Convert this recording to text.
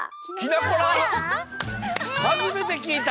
はじめてきいた！